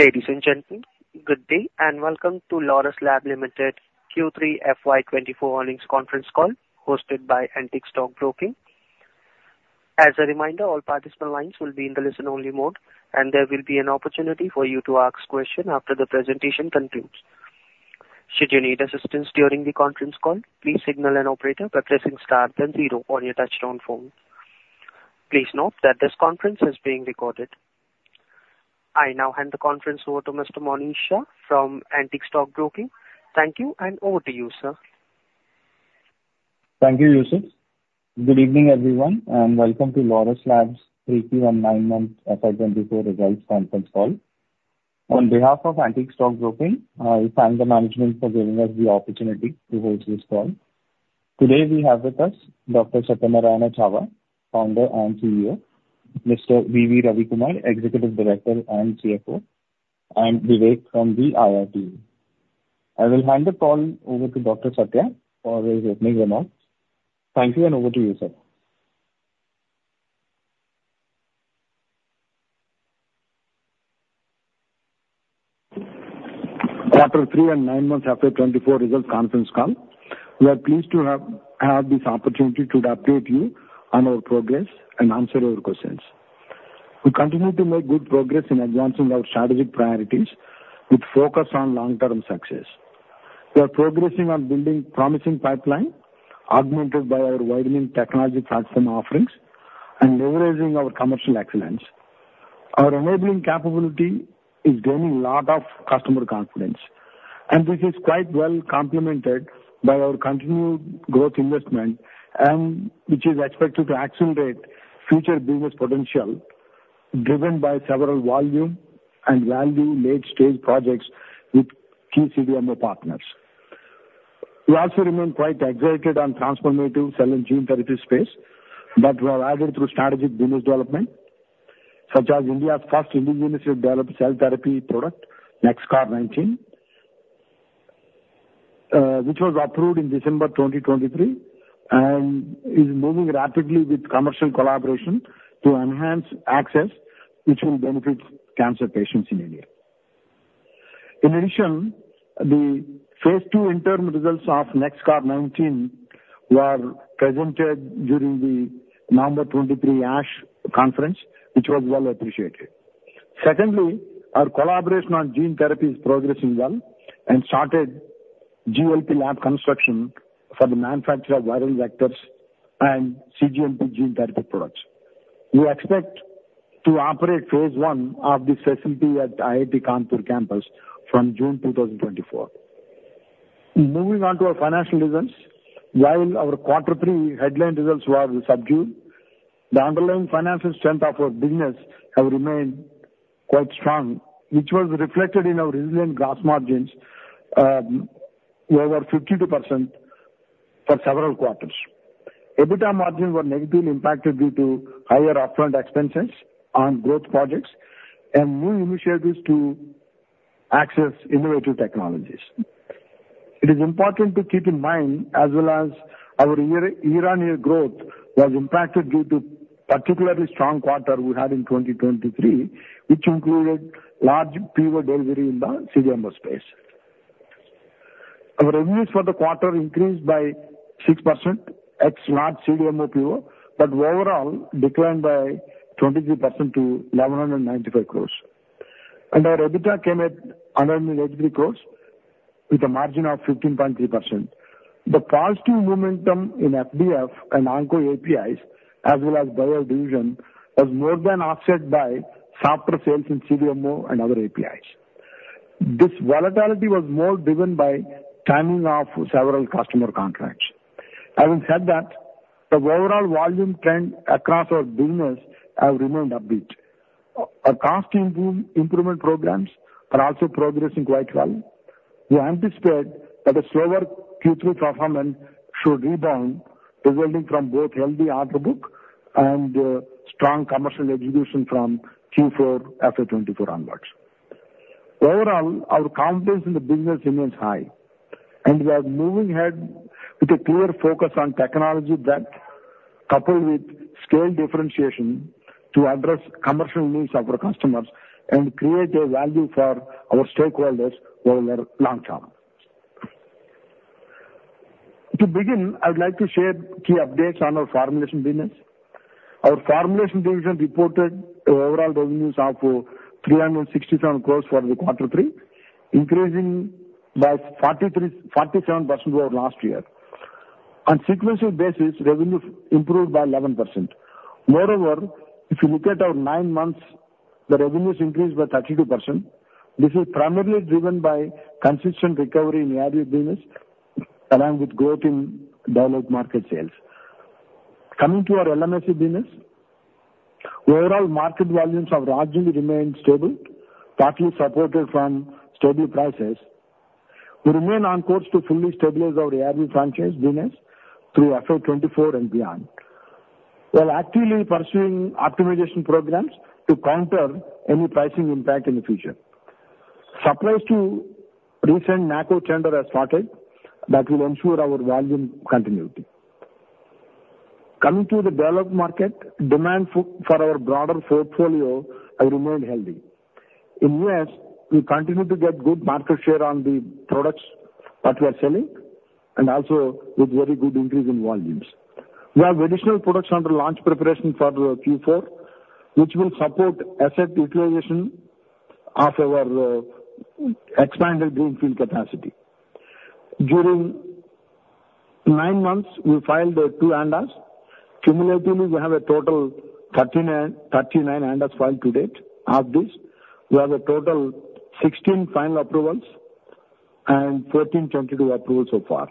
Ladies and gentlemen, good day, and welcome to Laurus Labs Limited Q3 FY 2024 earnings conference call, hosted by Antique Stock Broking. As a reminder, all participant lines will be in the listen-only mode, and there will be an opportunity for you to ask questions after the presentation concludes. Should you need assistance during the conference call, please signal an operator by pressing star then zero on your touchtone phone. Please note that this conference is being recorded. I now hand the conference over to Mr. Monish Shah from Antique Stock Broking. Thank you, and over to you, sir. Thank you, Yusuf. Good evening, everyone, and welcome to Laurus Labs Q3 and 9-month FY 2024 results conference call. On behalf of Antique Stock Broking, I thank the management for giving us the opportunity to host this call. Today, we have with us Dr. Satyanarayana Chava, Founder and CEO, Mr. V.V. Ravi Kumar, Executive Director and CFO, and Vivek Kumar from the IR team. I will hand the call over to Dr. Satya for his opening remarks. Thank you, and over to you, sir. Q3 and 9 months FY 2024 results conference call. We are pleased to have this opportunity to update you on our progress and answer your questions. We continue to make good progress in advancing our strategic priorities with focus on long-term success. We are progressing on building promising pipeline, augmented by our widening technology platform offerings and leveraging our commercial excellence. Our enabling capability is gaining lot of customer confidence, and this is quite well complemented by our continued growth investment, and which is expected to accelerate future business potential, driven by several volume and value late-stage projects with key CDMO partners. We also remain quite excited on transformative cell and gene therapy space that were added through strategic business development, such as India's first indigenously developed cell therapy product, NexCAR19, which was approved in December 2023 and is moving rapidly with commercial collaboration to enhance access, which will benefit cancer patients in India. In addition, the Phase 2 interim results of NexCAR19 were presented during the November 2023 ASH conference, which was well appreciated. Secondly, our collaboration on gene therapy is progressing well and started cGLP lab construction for the manufacture of viral vectors and cGLP gene therapy products. We expect to operate phase 1 of this facility at IIT Kanpur campus from June 2024. Moving on to our financial results. While our quarter three headline results were subdued, the underlying financial strength of our business have remained quite strong, which was reflected in our resilient gross margins over 52% for several quarters. EBITDA margins were negatively impacted due to higher upfront expenses on growth projects and new initiatives to access innovative technologies. It is important to keep in mind, as well as our year, year-on-year growth was impacted due to particularly strong quarter we had in 2023, which included large PO delivery in the CDMO space. Our revenues for the quarter increased by 6% ex large CDMO PO, but overall declined by 23% to 1,195 crores. And our EBITDA came at 183 crores with a margin of 15.3%. The positive momentum in FDF and Onco APIs, as well as dialysis division, was more than offset by softer sales in CDMO and other APIs. This volatility was more driven by timing of several customer contracts. Having said that, the overall volume trend across our business have remained upbeat. Our cost improvement programs are also progressing quite well. We anticipate that a slower Q3 performance should rebound, resulting from both healthy order book and, strong commercial execution from Q4 FY 2024 onwards. Overall, our confidence in the business remains high, and we are moving ahead with a clear focus on technology that, coupled with scale differentiation to address commercial needs of our customers and create a value for our stakeholders over long term. To begin, I would like to share key updates on our formulation business. Our formulation division reported overall revenues of 367 crore for the quarter 3, increasing by 47% over last year. On sequential basis, revenue improved by 11%. Moreover, if you look at our 9 months, the revenues increased by 32%. This is primarily driven by consistent recovery in ARV business, along with growth in developed market sales. Coming to our LMIC business, overall market volumes have largely remained stable, partly supported from stable prices. We remain on course to fully stabilize our ARV franchise business through FY 2024 and beyond. We are actively pursuing optimization programs to counter any pricing impact in the future. Supplies to recent NACO tender have started that will ensure our volume continuity. Coming to the developed market, demand for our broader portfolio have remained healthy. In U.S., we continue to get good market share on the products that we are selling, and also with very good increase in volumes. We have additional products under launch preparation for the Q4, which will support asset utilization of our expanded greenfield capacity. During 9 months, we filed 2 ANDAs. Cumulatively, we have a total 13 and 39 ANDAs filed to date. Of this, we have a total 16 final approvals and 14 22 approvals so far.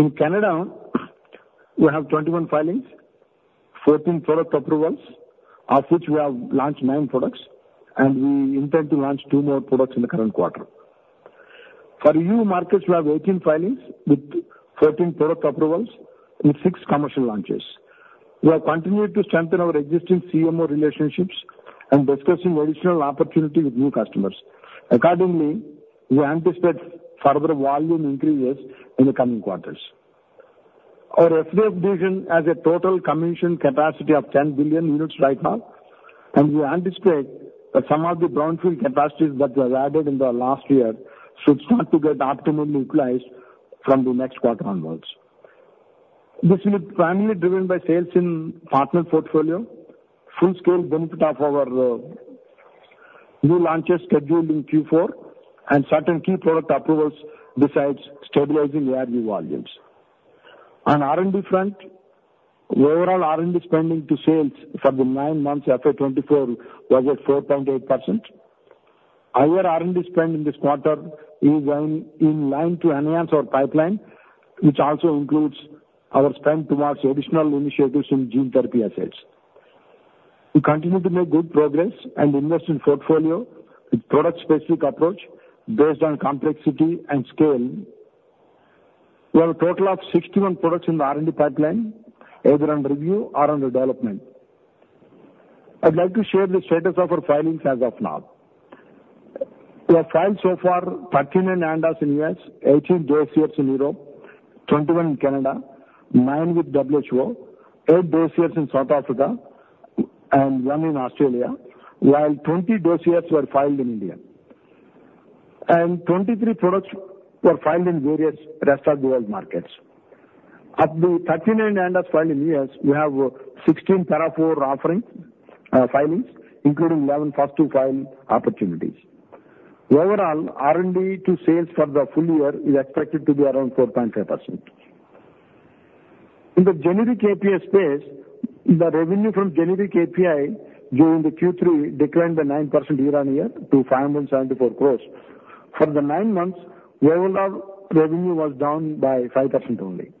In Canada, we have 21 filings, 14 product approvals, of which we have launched 9 products, and we intend to launch two more products in the current quarter. For E.U. markets, we have 18 filings with 14 product approvals and six commercial launches. We are continuing to strengthen our existing CMO relationships and discussing additional opportunities with new customers. Accordingly, we anticipate further volume increases in the coming quarters. Our FDF division has a total commission capacity of 10 billion units right now, and we anticipate that some of the brownfield capacities that were added in the last year should start to get optimally utilized from the next quarter onwards. This is primarily driven by sales in partner portfolio, full-scale benefit of our new launches scheduled in Q4, and certain key product approvals, besides stabilizing ARV volumes. On R&D front, the overall R&D spending to sales for the nine months FY 2024 was at 4.8%. Our R&D spend in this quarter is in line to enhance our pipeline, which also includes our spend towards additional initiatives in gene therapy assets. We continue to make good progress and invest in portfolio with product-specific approach based on complexity and scale. We have a total of 61 products in the R&D pipeline, either under review or under development. I'd like to share the status of our filings as of now. We have filed so far 39 ANDAs in U.S., 18 dossiers in Europe, 21 in Canada, nine with WHO, eight dossiers in South Africa and one in Australia, while 20 dossiers were filed in India. 23 products were filed in various rest of world markets. Of the 39 ANDAs filed in U.S., we have 16 Para IV offerings, filings, including 11 first to file opportunities. Overall, R&D to sales for the full year is expected to be around 4.5%. In the generic API space, the revenue from generic API during the Q3 declined by 9% year-on-year to 574 crore. For the nine months, overall revenue was down by 5% only.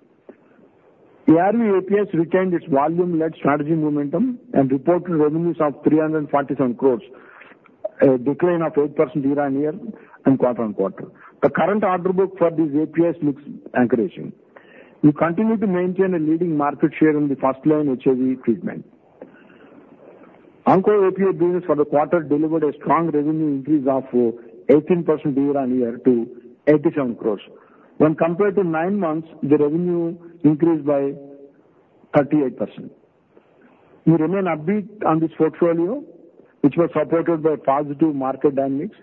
ARV APIs retained its volume-led strategy momentum and reported revenues of 347 crores, a decline of 8% year-on-year and quarter-on-quarter. The current order book for these APIs looks encouraging. We continue to maintain a leading market share in the first-line HIV treatment. Onco API business for the quarter delivered a strong revenue increase of 18% year-on-year to 87 crores. When compared to nine months, the revenue increased by 38%. We remain upbeat on this portfolio, which was supported by positive market dynamics.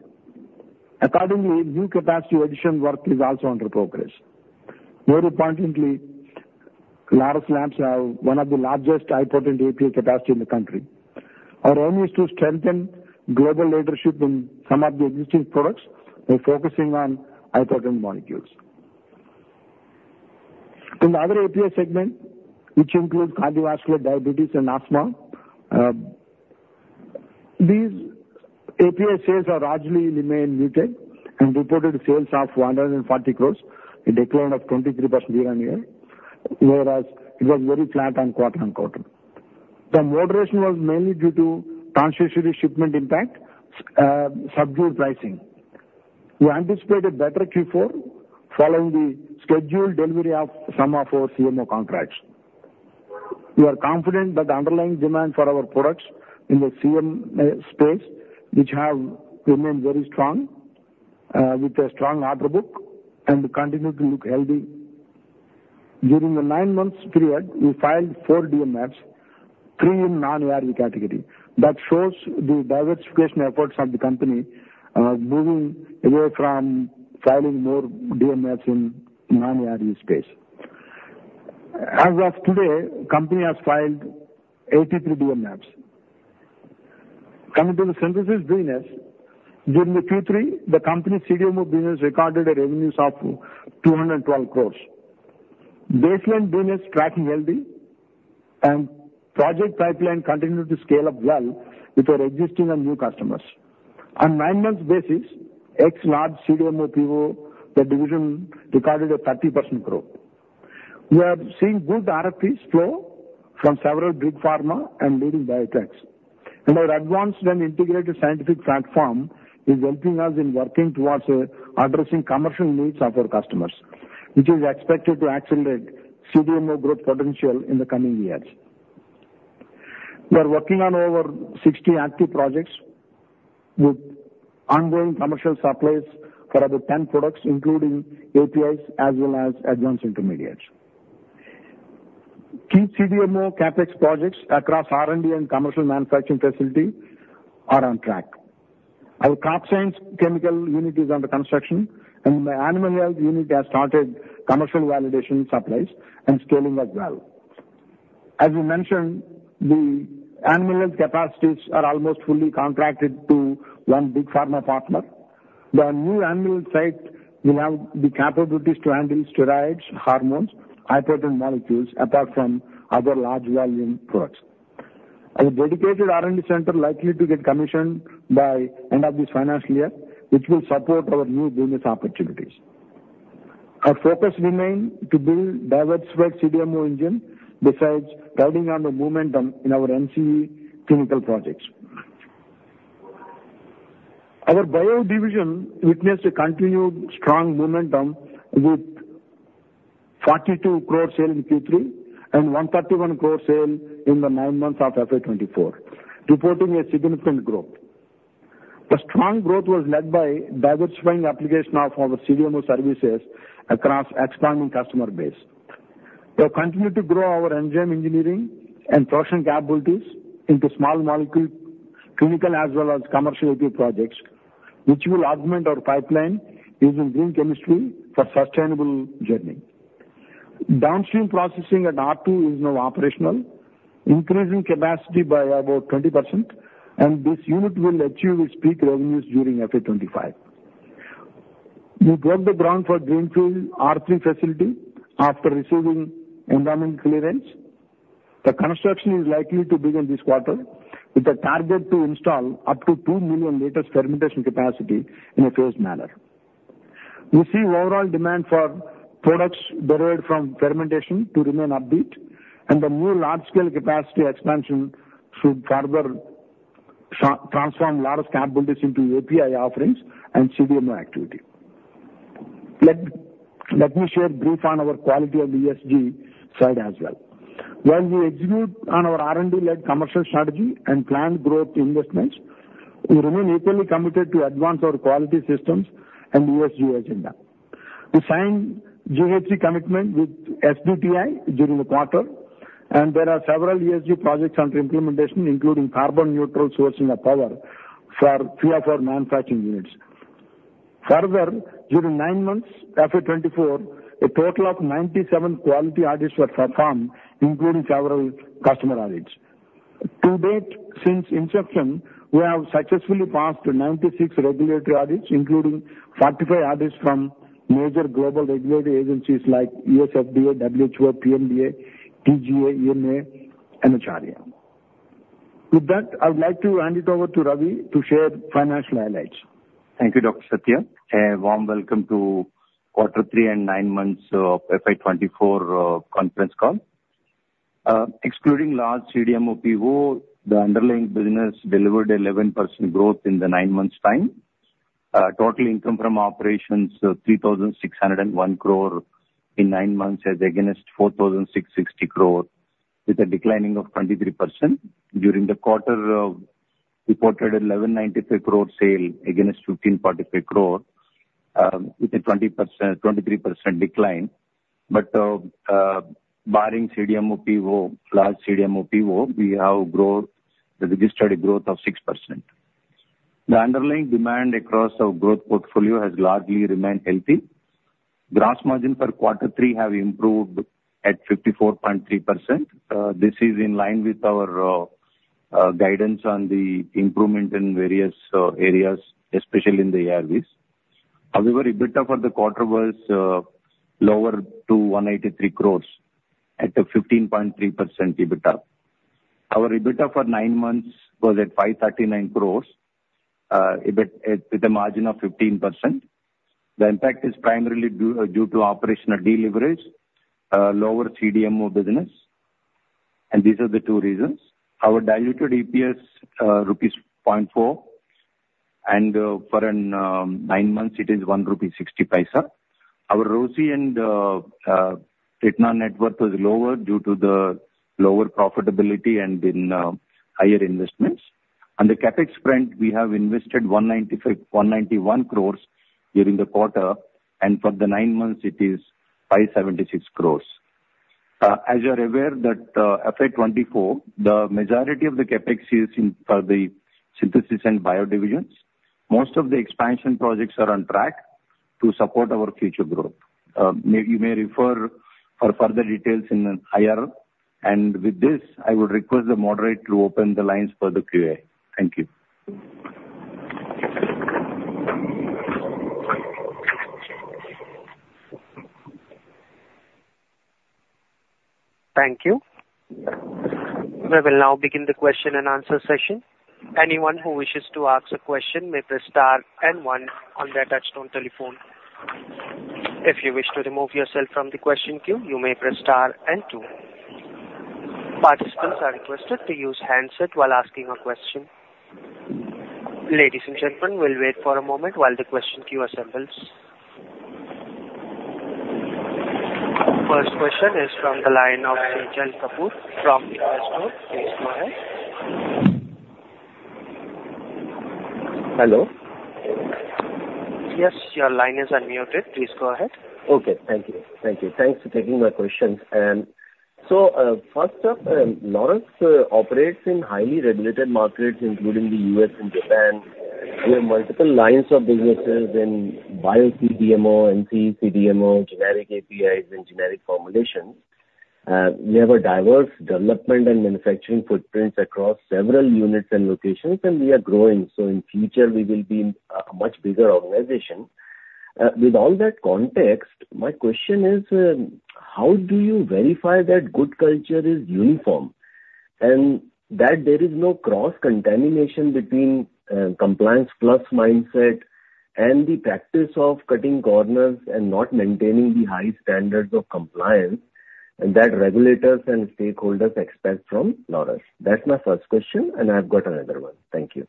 Accordingly, new capacity addition work is also under progress. More importantly, Laurus Labs are one of the largest high-potent API capacity in the country. Our aim is to strengthen global leadership in some of the existing products by focusing on high-potent molecules. In the other API segment, which includes cardiovascular, diabetes, and asthma, these API sales are largely remained muted and reported sales of 140 crores, a 23% decline year-on-year, whereas it was very flat on quarter-on-quarter. The moderation was mainly due to transitory shipment impact, subdued pricing. We anticipate a better Q4 following the scheduled delivery of some of our CDMO contracts. We are confident that the underlying demand for our products in the CDMO space, which have remained very strong, with a strong order book and continue to look healthy. During the nine months period, we filed four DMFs, three in non-ARV category. That shows the diversification efforts of the company, moving away from filing more DMFs in non-ARV space. As of today, company has filed 83 DMFs. Coming to the synthesis business, during the Q3, the company's CDMO business recorded revenues of 212 crore. Baseline business tracking healthy and project pipeline continued to scale up well with our existing and new customers. On nine months basis, ex large CDMO PO, the division recorded a 30% growth. We are seeing good RFPs flow from several big pharma and leading biotechs, and our advanced and integrated scientific platform is helping us in working towards addressing commercial needs of our customers, which is expected to accelerate CDMO growth potential in the coming years. We are working on over 60 active projects with ongoing commercial supplies for about 10 products, including APIs as well as advanced intermediates. Key CDMO CapEx projects across R&D and commercial manufacturing facility are on track. Our crop science chemical unit is under construction, and the animal health unit has started commercial validation supplies and scaling as well. As we mentioned, the animal health capacities are almost fully contracted to one big pharma partner. The new animal site will have the capabilities to handle steroids, hormones, high-potent molecules, apart from other large volume products. A dedicated R&D center likely to get commissioned by end of this financial year, which will support our new business opportunities. Our focus remain to build diversified CDMO engine, besides riding on the momentum in our NCE clinical projects. Our bio division witnessed a continued strong momentum with 42 crore sale in Q3 and 131 crore sale in the nine months of FY 2024, reporting a significant growth. The strong growth was led by diversifying the application of our CDMO services across expanding customer base. We have continued to grow our enzyme engineering and production capabilities into small molecule, clinical as well as commercial API projects, which will augment our pipeline using green chemistry for sustainable journey. Downstream processing at R2 is now operational, increasing capacity by about 20%, and this unit will achieve its peak revenues during FY 2025. We broke the ground for greenfield R3 facility after receiving environmental clearance. The construction is likely to begin this quarter with a target to install up to 2,000,000 liters fermentation capacity in a phased manner. We see overall demand for products derived from fermentation to remain upbeat, and the new large-scale capacity expansion should further transform large capabilities into API offerings and CDMO activity. Let me share brief on our quality and ESG side as well. While we execute on our R&D-led commercial strategy and planned growth investments, we remain equally committed to advance our quality systems and ESG agenda. We signed GHG commitment with SBTi during the quarter, and there are several ESG projects under implementation, including carbon neutral sourcing of power for three of our manufacturing units. Further, during nine months, FY 2024, a total of 97 quality audits were performed, including several customer audits. To date, since inception, we have successfully passed 96 regulatory audits, including 45 audits from major global regulatory agencies like USFDA, WHO, PMDA, TGA, EMA, and BfArM. With that, I would like to hand it over to Ravi to share financial highlights. Thank you, Dr. Satya, a warm welcome to quarter three and nine months of FY 2024 conference call. Excluding large CDMO PO, the underlying business delivered 11% growth in the nine months' time. Total income from operations, 3,601 crore in nine months as against 4,660 crore, with a decline of 23%. During the quarter, we reported 1,193 crore sale against 1,543 crore, with a 23% decline. But, barring CDMO PO, large CDMO PO, we registered a growth of 6%. The underlying demand across our growth portfolio has largely remained healthy. Gross margin for quarter three have improved at 54.3%. This is in line with our guidance on the improvement in various areas, especially in the ARVs. However, EBITDA for the quarter was lower to 183 crore at a 15.3% EBITDA. Our EBITDA for nine months was at 539 crore with a margin of 15%. The impact is primarily due to operational deleverage, lower CDMO business, and these are the two reasons. Our diluted EPS, rupees 0.4, and for nine months it is 1.60 rupee. Our ROCE and net worth was lower due to the lower profitability and higher investments. On the CapEx front, we have invested 191 crore during the quarter, and for the nine months it is 576 crore. As you're aware that FY 2024, the majority of the CapEx is in for the synthesis and bio divisions. Most of the expansion projects are on track to support our future growth. You may refer for further details in an IR. With this, I would request the moderator to open the lines for the Q&A. Thank you. Thank you. We will now begin the question and answer session. Anyone who wishes to ask a question may press star and one on their touchtone telephone. If you wish to remove yourself from the question queue, you may press star and two. Participants are requested to use handset while asking a question. Ladies and gentlemen, we'll wait for a moment while the question queue assembles.... First question is from the line of Chetan Kapoor from Invesco. Please go ahead. Hello? Yes, your line is unmuted. Please go ahead. Okay, thank you. Thank you. Thanks for taking my questions. So, first up, Laurus operates in highly regulated markets, including the US and Japan. We have multiple lines of businesses in bio CDMO and CE CDMO, generic APIs and generic formulations. We have a diverse development and manufacturing footprints across several units and locations, and we are growing, so in future we will be a much bigger organization. With all that context, my question is: How do you verify that good culture is uniform, and that there is no cross-contamination between compliance plus mindset and the practice of cutting corners and not maintaining the high standards of compliance, and that regulators and stakeholders expect from Laurus? That's my first question, and I've got another one. Thank you.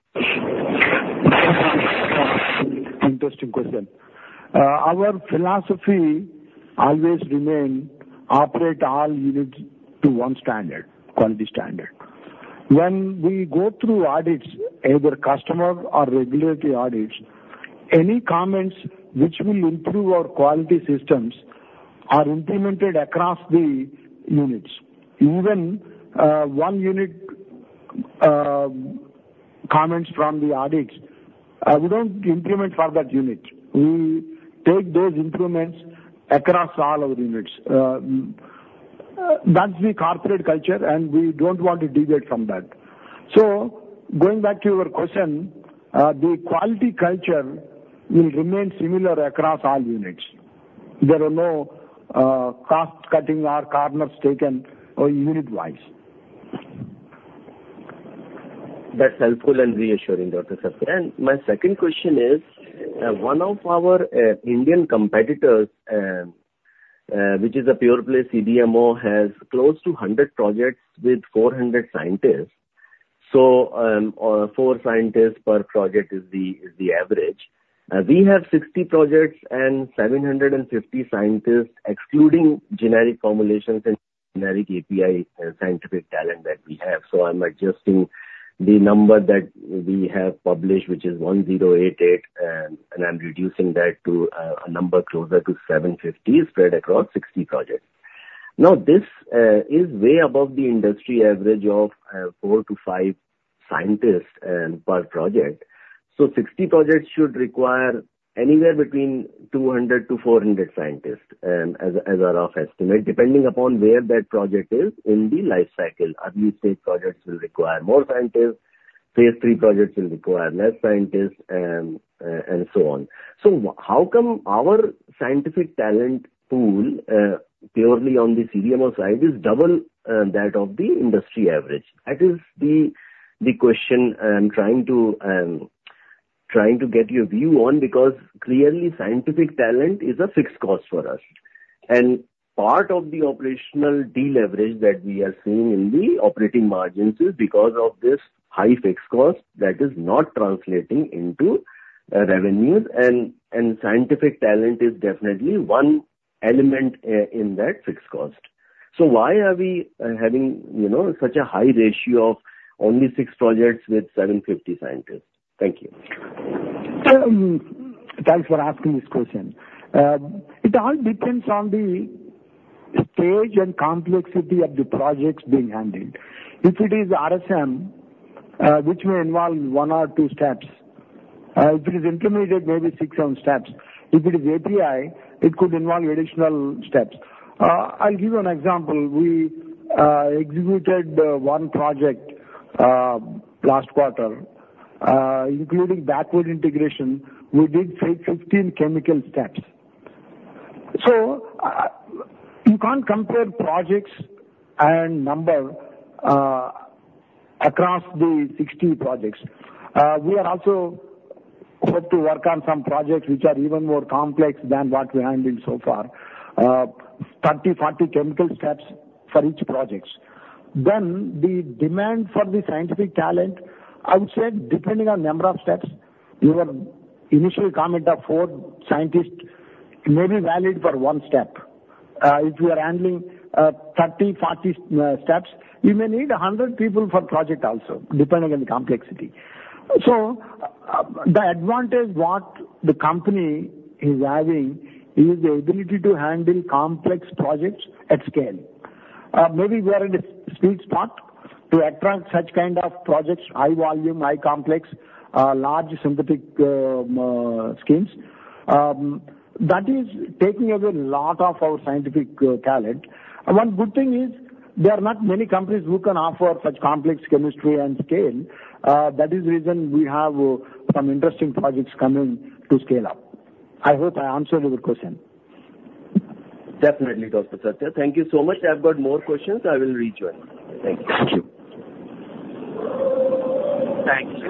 Interesting question. Our philosophy always remain: operate all units to one standard, quality standard. When we go through audits, either customer or regulatory audits, any comments which will improve our quality systems are implemented across the units. Even one unit comments from the audits, we don't implement for that unit. We take those improvements across all our units. That's the corporate culture, and we don't want to deviate from that. So going back to your question, the quality culture will remain similar across all units. There are no cost cutting or corners taken or unit-wise. That's helpful and reassuring, Dr. Satya. My second question is, one of our Indian competitors, which is a pure play CDMO, has close to 100 projects with 400 scientists. So, four scientists per project is the, is the average. We have 60 projects and 750 scientists, excluding generic formulations and generic API, scientific talent that we have. So I'm adjusting the number that we have published, which is 1,088, and I'm reducing that to, a number closer to 750, spread across 60 projects. Now, this is way above the industry average of, 4-5 scientists, per project. So 60 projects should require anywhere between 200-400 scientists, as a, as a rough estimate, depending upon where that project is in the life cycle. Early stage projects will require more scientists, phase three projects will require less scientists, and so on. So how come our scientific talent pool, purely on the CDMO side, is double that of the industry average? That is the question I'm trying to get your view on, because clearly scientific talent is a fixed cost for us. And part of the operational deleverage that we are seeing in the operating margins is because of this high fixed cost that is not translating into revenues, and scientific talent is definitely one element in that fixed cost. So why are we having, you know, such a high ratio of only six projects with 750 scientists? Thank you. Thanks for asking this question. It all depends on the stage and complexity of the projects being handled. If it is RSM, which may involve one or two steps, if it is intermediate, maybe six, seven steps. If it is API, it could involve additional steps. I'll give you an example. We executed one project last quarter, including backward integration, we did say 15 chemical steps. So, you can't compare projects and number across the 60 projects. We are also hope to work on some projects which are even more complex than what we're handling so far. 30, 40 chemical steps for each projects. Then the demand for the scientific talent, I would say, depending on number of steps, your initial comment of four scientists may be valid for one step. If you are handling 30-40 steps, you may need 100 people for project also, depending on the complexity. So, the advantage what the company is having, is the ability to handle complex projects at scale. Maybe we are in a sweet spot to attract such kind of projects, high volume, high complex, large synthetic scales. That is taking away a lot of our scientific talent. One good thing is there are not many companies who can offer such complex chemistry and scale. That is the reason we have some interesting projects coming to scale up. I hope I answered your question. Definitely, Dr. Satya. Thank you so much. I've got more questions. I will reach you. Thank you. Thank you. Thank you.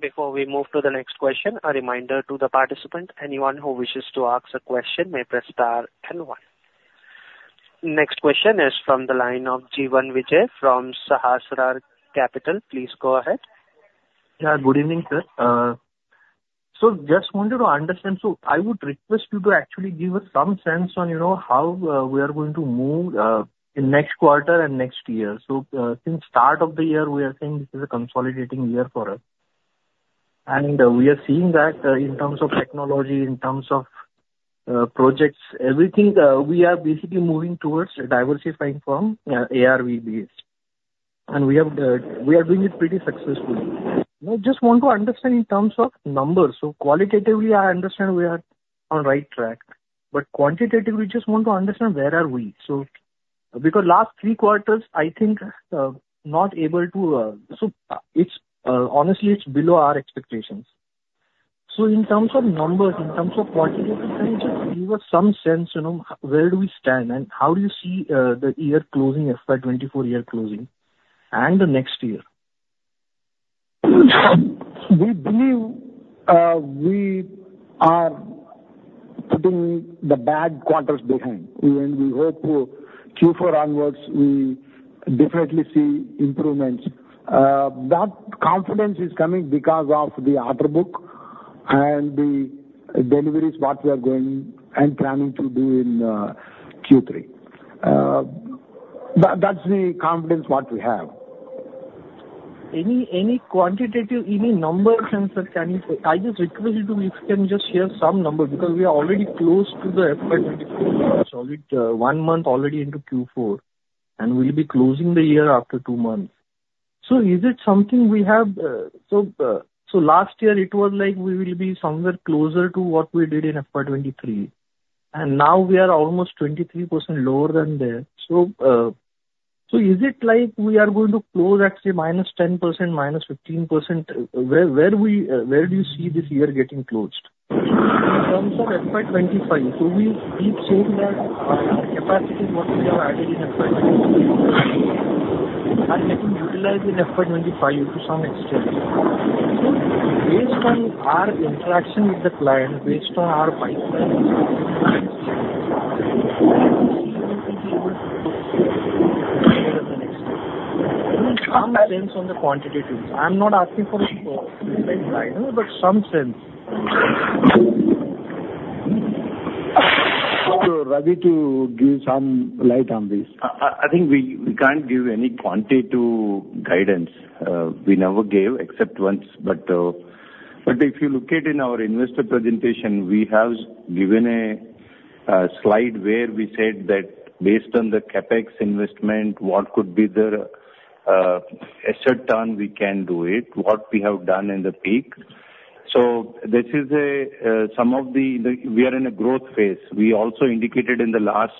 Before we move to the next question, a reminder to the participant, anyone who wishes to ask a question may press star and one.... Next question is from the line of Jeevan Vijay from Sahastraa Capital. Please go ahead. Yeah, good evening, sir. So just wanted to understand, so I would request you to actually give us some sense on, you know, how we are going to move in next quarter and next year. So, since start of the year, we are saying this is a consolidating year for us, and we are seeing that, in terms of technology, in terms of, projects, everything, we are basically moving towards diversifying from ARV base, and we have, we are doing it pretty successfully. I just want to understand in terms of numbers. So qualitatively, I understand we are on right track, but quantitatively, just want to understand where are we? So, because last three quarters, I think, not able to. So it's, honestly, it's below our expectations. In terms of numbers, in terms of quantitatively, can you just give us some sense, you know, where do we stand, and how do you see the year closing, FY 2024 year closing, and the next year? We believe we are putting the bad quarters behind, and we hope Q4 onwards we definitely see improvements. That confidence is coming because of the order book and the deliveries what we are going and planning to do in Q3. That's the confidence what we have. Any quantitative, any number sense that you can say? I just request you to, if you can just share some number, because we are already close to the FY 2024 year. So, one month already into Q4, and we'll be closing the year after two months. So is it something we have... So, so last year it was like we will be somewhere closer to what we did in FY 2023, and now we are almost 23% lower than that. So, so is it like we are going to close at, say, -10%, -15%? Where, where we, where do you see this year getting closed? In terms of FY 2025, so we've seen that our capacity, what we have added in FY 2024 are getting utilized in FY 2025 to some extent. Based on our interaction with the client, based on our pipeline, some sense on the quantitative. I'm not asking for a specific guidance, but some sense. So, Ravi, to give some light on this. I think we can't give any quantitative guidance, we never gave except once. But but if you look at in our investor presentation, we have given a slide where we said that based on the CapEx investment, what could be the asset turn, we can do it, what we have done in the peak. So this is a some of the we are in a growth phase. We also indicated in the last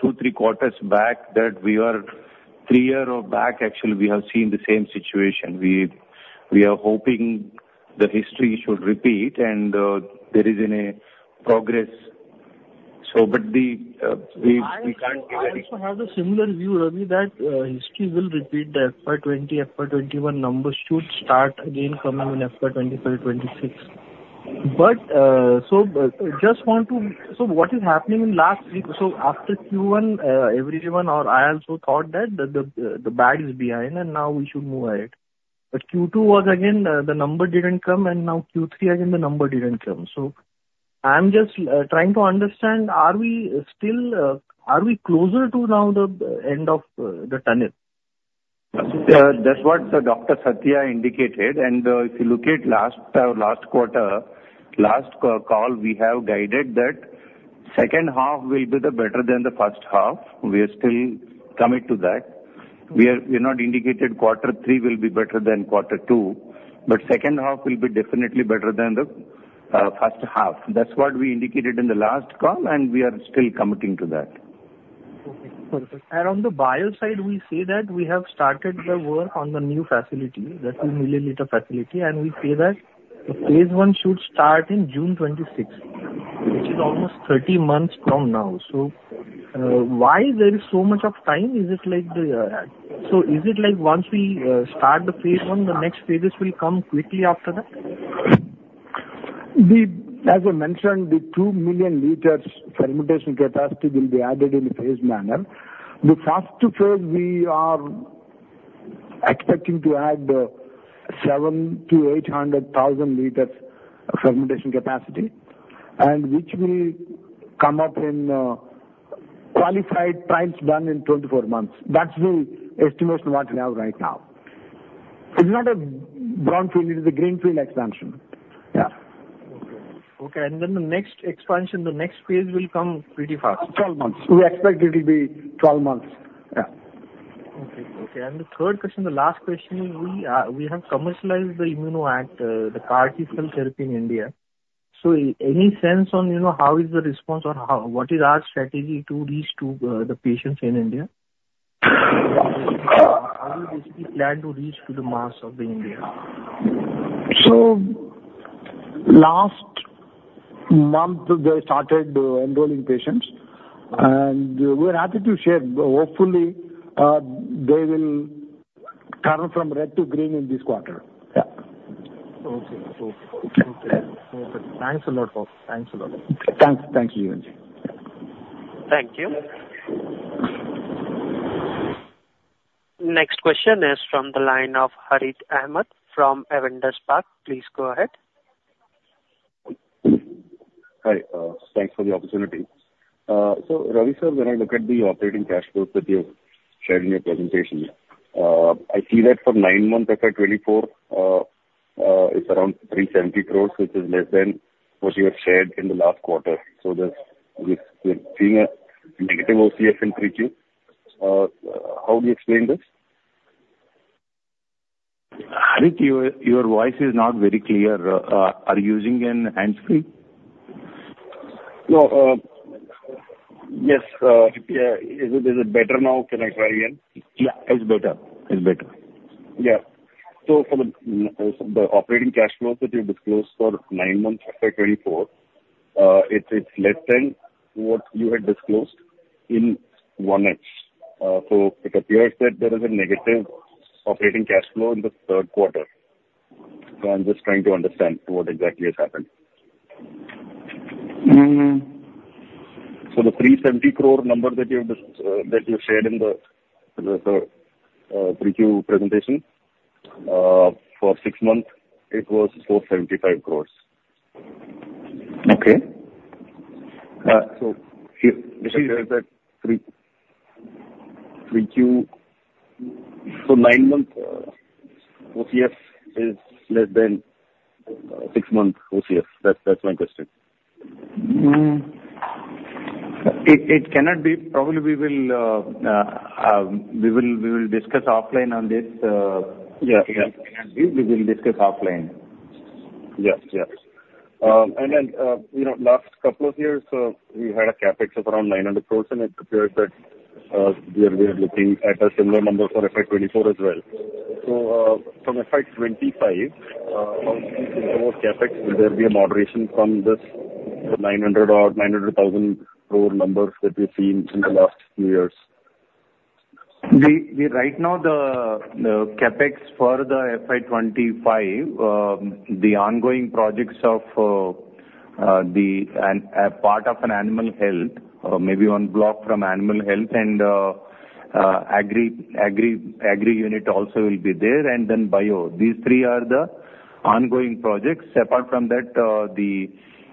two, three quarters back that we are three year back, actually, we have seen the same situation. We are hoping the history should repeat and there is any progress. So but the we can't give- I also have the similar view, Ravi, that history will repeat the FY 2020, FY 2021 numbers should start again coming in FY 2024, 2026. But, so just want to... So what is happening in last week? So after Q1, everyone or I also thought that the bad is behind and now we should move ahead. But Q2 was, again, the number didn't come, and now Q3, again, the number didn't come. So I'm just trying to understand, are we still, are we closer to now the end of the tunnel? That's what Dr. Satyanarayana Chava indicated. And, if you look at last quarter, last call, we have guided that second half will be the better than the first half. We are still commit to that. We not indicated quarter three will be better than quarter two, but second half will be definitely better than the first half. That's what we indicated in the last call, and we are still committing to that. Okay. And on the buyer side, we say that we have started the work on the new facility, that two million liter facility, and we say that the phase one should start in June 2026, which is almost 30 months from now. So, why there is so much of time? Is it like the... So is it like once we start the phase one, the next phases will come quickly after that? As I mentioned, the two million liters fermentation capacity will be added in a phased manner. The first phase, we are expecting to add 700,000-800,000 liters fermentation capacity, and which will come up in qualified trials done in 24 months. That's the estimation what we have right now. It's not a brownfield, it is a greenfield expansion. Yeah. Okay. Okay, and then the next expansion, the next phase will come pretty fast. 12 months. We expect it will be 12 months. Yeah. Okay. Okay, and the third question, the last question is, we have commercialized the ImmunoACT, the CAR-T cell therapy in India. So any sense on, you know, how is the response or how, what is our strategy to reach to the patients in India? How do you basically plan to reach to the mass of the India? So last month, they started enrolling patients, and we're happy to share. Hopefully, they will-... turn from red to green in this quarter. Yeah. Okay, cool. Okay. Yeah. Thanks a lot, boss. Thanks a lot. Thanks. Thank you, Yusuf. Thank you. Next question is from the line of Harith Ahamed from Avendus Spark. Please go ahead. Hi, thanks for the opportunity. So Ravi, sir, when I look at the operating cash flows that you've shared in your presentation, I see that for nine months, FY 2024, it's around 370 crores, which is less than what you have shared in the last quarter. So there's, we've seen a negative OCF in 3Q. How do you explain this? Harit, your, your voice is not very clear. Are you using a hands-free? No. Yes. Yeah. Is it, is it better now? Can I try again? Yeah, it's better. It's better. Yeah. So for the operating cash flows that you disclosed for nine months, FY 2024, it's less than what you had disclosed in one month. So it appears that there is a negative operating cash flow in the third quarter. So I'm just trying to understand what exactly has happened. Mm. So the 370 crore number that you've that you shared in the 3Q presentation, for six months it was 475 crore. Okay. So if that 3Q for 9 months OCF is less than six months OCF. That's my question. It cannot be. Probably, we will discuss offline on this. Yeah. We will discuss offline. Yes. Yes. And then, you know, last couple of years, we had a CapEx of around 900 crore, and it appears that, we are looking at a similar number for FY 2024 as well. So, from FY 2025, how do you think about CapEx? Will there be a moderation from this 900 crore or 900,000 crore numbers that we've seen in the last few years? We right now the CapEx for the FY 25, the ongoing projects of the part of an animal health, or maybe one block from animal health and agri unit also will be there, and then bio. These three are the ongoing projects. Apart from that, the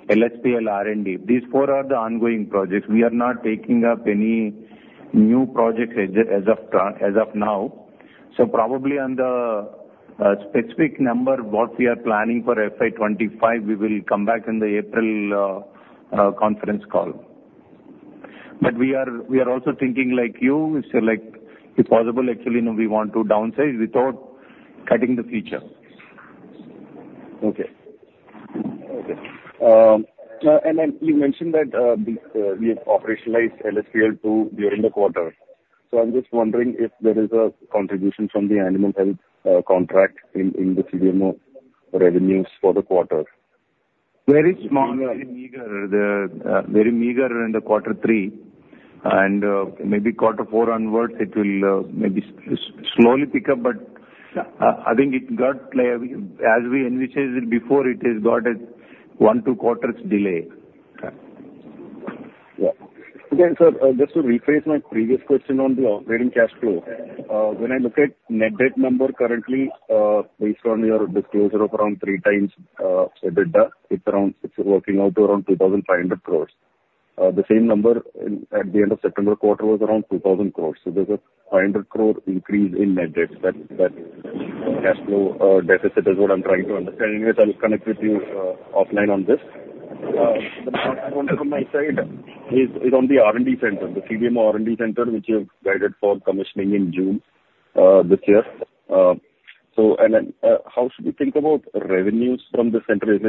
LSPL R&D. These four are the ongoing projects. We are not taking up any new projects as of now. So probably on the specific number, what we are planning for FY 25, we will come back in the April conference call. But we are also thinking like you. So like, if possible, actually, you know, we want to downsize without cutting the feature. Okay. Okay. And then you mentioned that we have operationalized LSPL-2 during the quarter. So I'm just wondering if there is a contribution from the animal health contract in the CDMO revenues for the quarter. Very small. Very meager. The very meager in quarter three, and maybe quarter four onwards, it will maybe slowly pick up, but- Yeah. I think it got clear. As we envisaged it before, it has got a 1-2 quarters delay. Yeah. Yeah. Again, sir, just to rephrase my previous question on the operating cash flow. When I look at net debt number currently, based on your disclosure of around three times EBITDA, it's around, it's working out to around 2,500 crore. The same number in, at the end of September quarter was around 2,000 crore, so there's a 500 crore increase in net debt. That, that cash flow deficit is what I'm trying to understand. Anyways, I'll connect with you offline on this. But what I wanted from my side is, is on the R&D center, the CDMO R&D center, which you've guided for commissioning in June this year. So and then, how should we think about revenues from this center? Is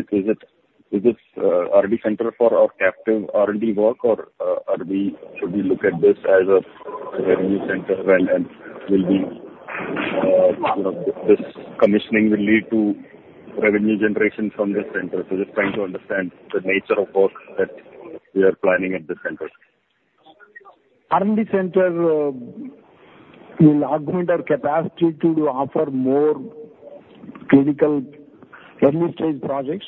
this R&D center for our captive R&D work or should we look at this as a revenue center and will be, you know, this commissioning will lead to revenue generation from this center? So just trying to understand the nature of work that we are planning at this center. R&D center will augment our capacity to offer more clinical early-stage projects.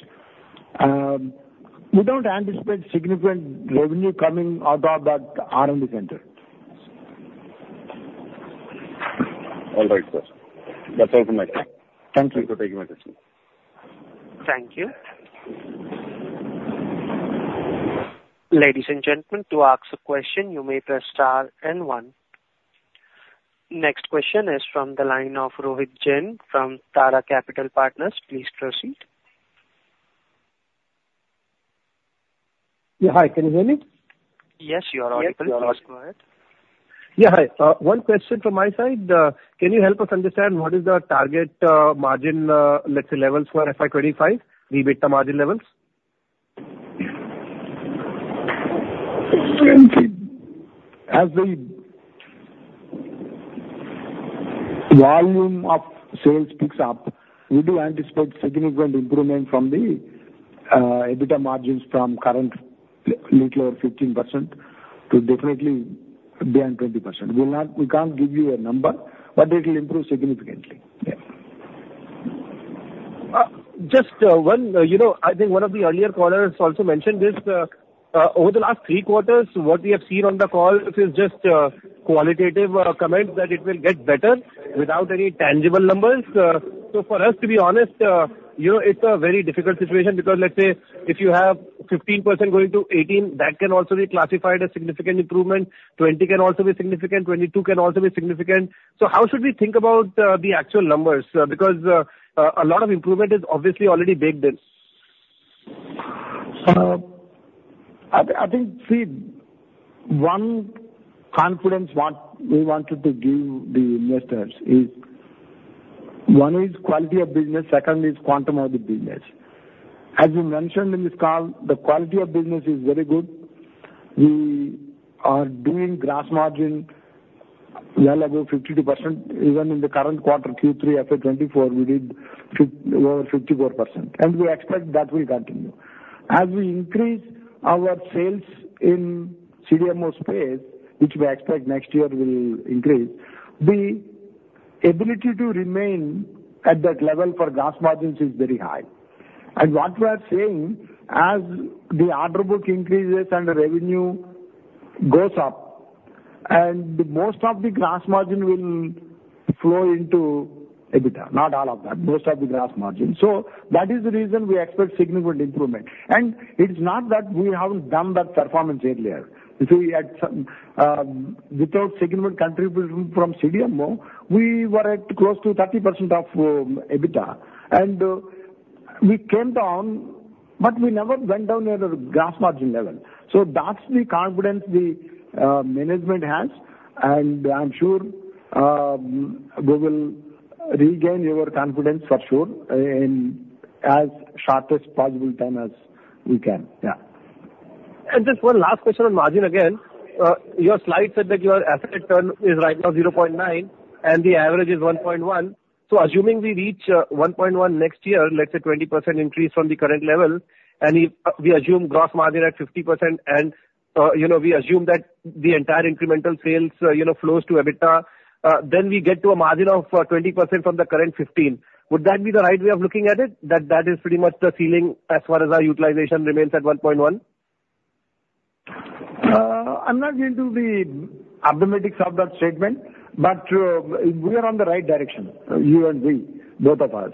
We don't anticipate significant revenue coming out of that R&D center. All right, sir. That's all from my side. Thank you. Thank you for taking my question. Thank you. Ladies and gentlemen, to ask a question, you may press star and one. Next question is from the line of Rohit Jain from Tara Capital Partners. Please proceed. Yeah, hi, can you hear me? Yes, you are audible. Yes, you are. Please go ahead. Yeah, hi. One question from my side. Can you help us understand what is the target margin, let's say, levels for FY 25, EBITDA margin levels? As the volume of sales picks up, we do anticipate significant improvement from the...... EBITDA margins from current little over 15% to definitely beyond 20%. We'll not-- We can't give you a number, but it will improve significantly. Yeah. Just one, you know, I think one of the earlier callers also mentioned this, over the last three quarters, what we have seen on the call is just qualitative comments that it will get better without any tangible numbers. So for us, to be honest, you know, it's a very difficult situation because, let's say, if you have 15% going to 18, that can also be classified as significant improvement. 20 can also be significant, 22 can also be significant. So how should we think about the actual numbers? Because a lot of improvement is obviously already baked in. I think, see, one confidence what we wanted to give the investors is, one is quality of business, second is quantum of the business. As we mentioned in this call, the quality of business is very good. We are doing gross margin well above 52%, even in the current quarter, Q3 FY 2024, we did over 54%, and we expect that will continue. As we increase our sales in CDMO space, which we expect next year will increase, the ability to remain at that level for gross margins is very high. And what we are saying, as the order book increases and the revenue goes up, and most of the gross margin will flow into EBITDA, not all of that, most of the gross margin. So that is the reason we expect significant improvement. And it's not that we haven't done that performance earlier. So we had some without significant contribution from CDMO, we were at close to 30% of EBITDA, and we came down, but we never went down near the gross margin level. So that's the confidence the management has, and I'm sure we will regain your confidence for sure in as shortest possible time as we can. Yeah. Just one last question on margin again. Your slide said that your asset turn is right now 0.9, and the average is 1.1. So assuming we reach 1.1 next year, let's say 20% increase from the current level, and if we assume gross margin at 50%, and, you know, we assume that the entire incremental sales, you know, flows to EBITDA, then we get to a margin of 20% from the current 15%. Would that be the right way of looking at it? That is pretty much the ceiling as far as our utilization remains at 1.1. I'm not into the arithmetic of that statement, but we are on the right direction, you and we, both of us.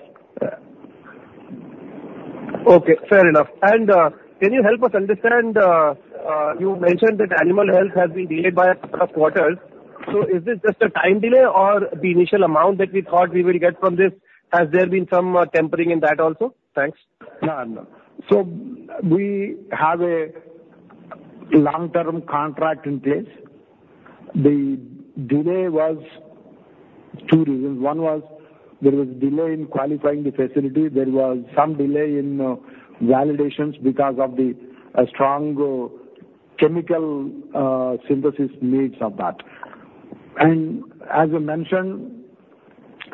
Okay, fair enough. Can you help us understand, you mentioned that animal health has been delayed by a couple of quarters. So is this just a time delay or the initial amount that we thought we will get from this, has there been some tempering in that also? Thanks. No, no. So we have a long-term contract in place. The delay was two reasons. One was there was delay in qualifying the facility. There was some delay in validations because of the strong chemical synthesis needs of that. And as I mentioned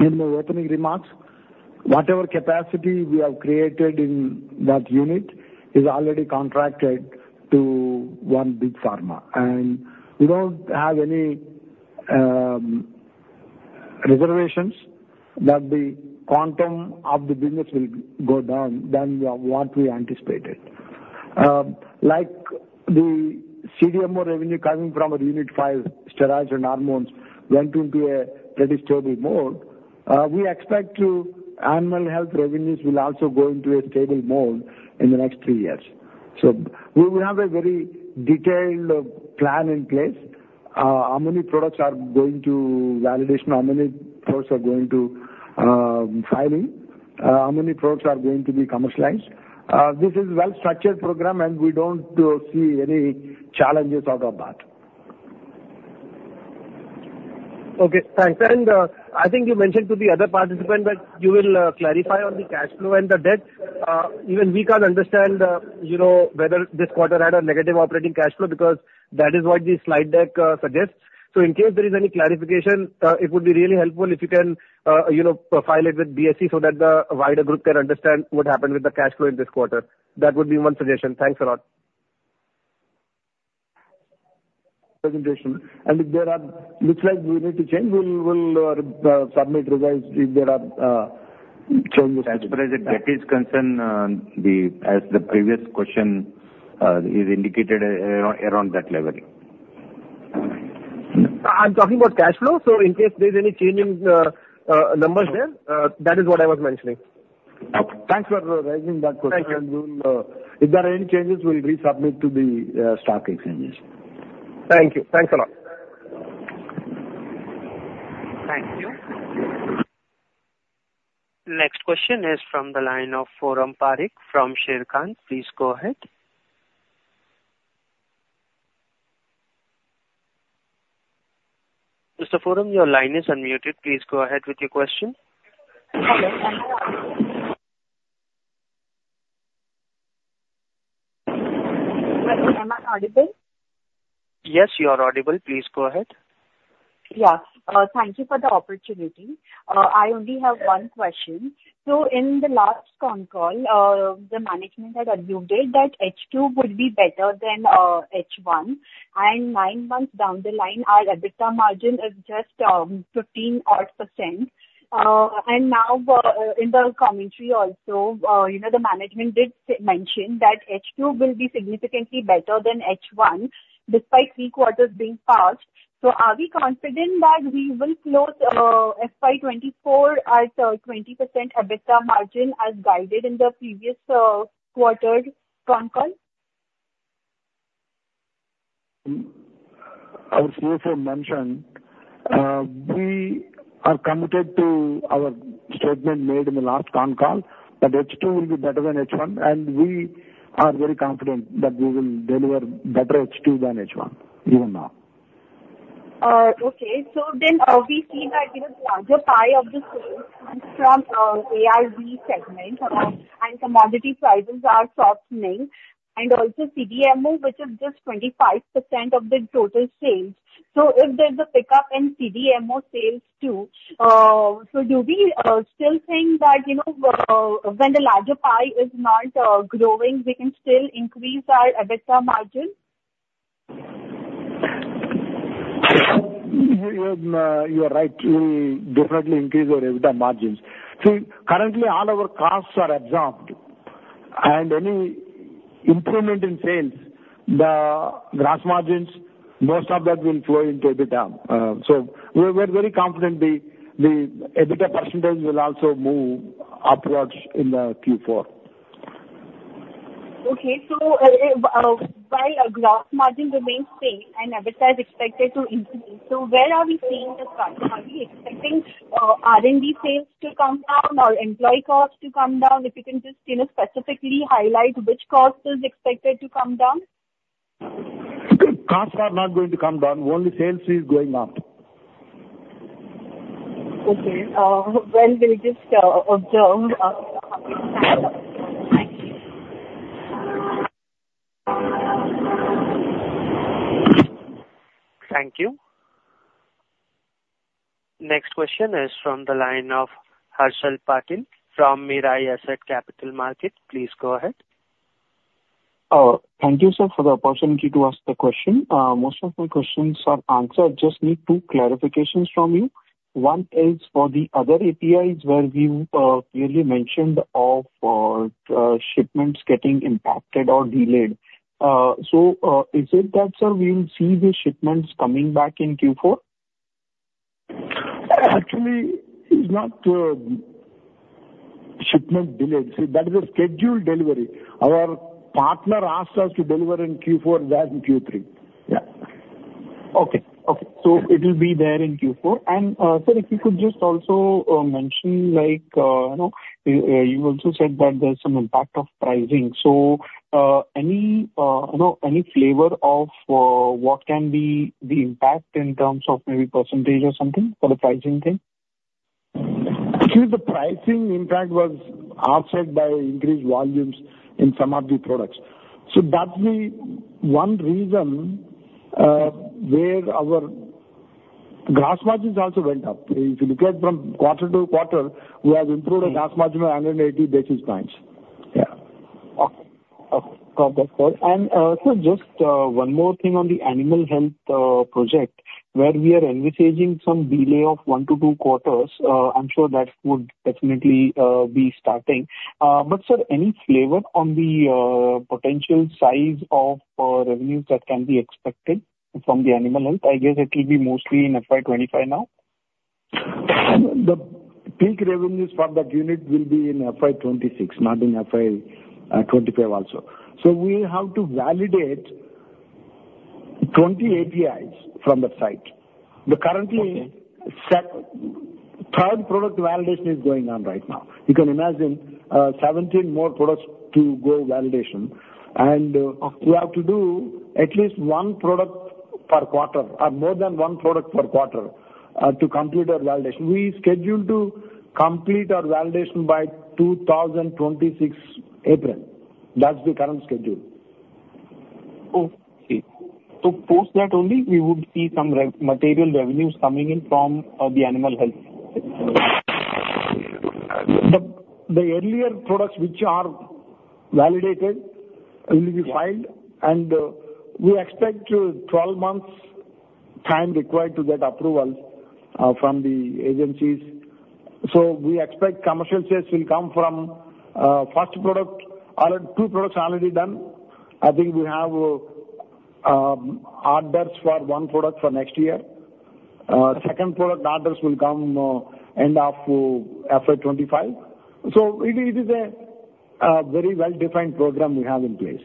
in the opening remarks, whatever capacity we have created in that unit is already contracted to one big pharma, and we don't have any reservations that the quantum of the business will go down than what we anticipated. Like, the CDMO revenue coming from our unit 5, steroids and hormones, went into a pretty stable mode, we expect to—animal health revenues will also go into a stable mode in the next three years. We will have a very detailed plan in place, how many products are going to validation, how many products are going to filing, how many products are going to be commercialized. This is well-structured program, and we don't see any challenges out of that. Okay, thanks. I think you mentioned to the other participant that you will clarify on the cash flow and the debt. Even we can't understand you know whether this quarter had a negative operating cash flow because that is what the slide deck suggests. So in case there is any clarification it would be really helpful if you can you know file it with BSE so that the wider group can understand what happened with the cash flow in this quarter. That would be one suggestion. Thanks a lot. Presentation. If there are looks like we need to change, we'll submit, revise if there are changes. As far as the debt is concerned, as the previous question is indicated around that level. I'm talking about cash flow, so in case there's any change in numbers there, that is what I was mentioning. Okay. Thanks for raising that question. Thank you. We'll, if there are any changes, we'll resubmit to the stock exchanges. Thank you. Thanks a lot. Thank you. Next question is from the line of Forum Parekh from Sharekhan. Please go ahead. Mr. Forum, your line is unmuted. Please go ahead with your question.... Well, am I audible? Yes, you are audible. Please go ahead. Yeah. Thank you for the opportunity. I only have one question. So in the last con call, the management had assumed that H2 would be better than H1, and nine months down the line, our EBITDA margin is just 15% odd. And now, in the commentary also, you know, the management did mention that H2 will be significantly better than H1, despite three quarters being passed. So are we confident that we will close FY 2024 at 20% EBITDA margin as guided in the previous quarter con call? Our CFO mentioned, we are committed to our statement made in the last con call, that H2 will be better than H1, and we are very confident that we will deliver better H2 than H1, even now. Okay. So then, we see that, you know, larger pie of the sales comes from ARV segment, and commodity prices are softening, and also CDMO, which is just 25% of the total sales. So if there's a pickup in CDMO sales too, so do we still think that, you know, when the larger pie is not growing, we can still increase our EBITDA margin? You are right. We will definitely increase our EBITDA margins. See, currently all our costs are absorbed, and any improvement in sales, the gross margins, most of that will flow into EBITDA. So we're very confident the EBITDA percentage will also move upwards in the Q4. Okay. So, while our gross margin remains same and EBITDA is expected to increase, so where are we seeing the cost? Are we expecting, R&D sales to come down or employee costs to come down? If you can just, you know, specifically highlight which cost is expected to come down. Costs are not going to come down, only sales is going up. Okay. Well, we'll just observe. Thank you. Thank you. Next question is from the line of Harshal Patil from Mirae Asset Capital Markets. Please go ahead. Thank you, sir, for the opportunity to ask the question. Most of my questions are answered, just need two clarifications from you. One is for the other APIs where you clearly mentioned of shipments getting impacted or delayed. So, is it that, sir, we will see the shipments coming back in Q4? Actually, it's not shipment delayed. See, that is a scheduled delivery. Our partner asked us to deliver in Q4 than Q3. Yeah. Okay. Okay. So it will be there in Q4. And, sir, if you could just also mention like, you know, you also said that there's some impact of pricing. So, any, you know, any flavor of, what can be the impact in terms of maybe percentage or something for the pricing thing? Actually, the pricing impact was offset by increased volumes in some of the products. So that's the one reason, where our gross margins also went up. If you look at from quarter to quarter, we have improved our gross margin by 100 basis points. Yeah. Okay. Got that point. And, sir, just, one more thing on the animal health project, where we are envisaging some delay of one to two quarters, I'm sure that would definitely be starting. But sir, any flavor on the potential size of revenues that can be expected from the animal health? I guess it will be mostly in FY 2025 now. The peak revenues for that unit will be in FY 26, not in FY 25 also. So we have to validate 20 APIs from that site. The currently- Okay. Third product validation is going on right now. You can imagine, 17 more products to go validation, and- Okay. We have to do at least one product per quarter or more than one product per quarter to complete our validation. We scheduled to complete our validation by April 2026. That's the current schedule. Okay. So post that only, we would see some material revenues coming in from the animal health. The earlier products which are validated will be filed, and we expect 12 months time required to get approval from the agencies. So we expect commercial sales will come from first product. Two products are already done. I think we have orders for one product for next year. Second product orders will come end of FY 2025. So it is a very well-defined program we have in place.